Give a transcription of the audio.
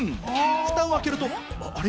ふたを開けると、あれ？